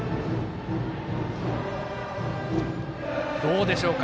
どうでしょうか。